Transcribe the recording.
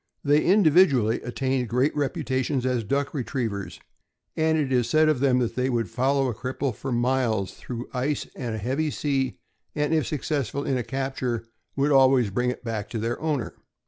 They individually attained 360 THE AMERICAN BOOK OF THE DOG. great reputations as duck retrievers, and it is said of them that they would follow a cripple for miles through ice and a heavy sea, and if successful in a capture would always bring it back to their owner.